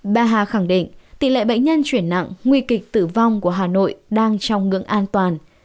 bà hà khẳng định tỷ lệ bệnh nhân chuyển nặng nguy kịch tử vong của hà nội đang trong ngưỡng an toàn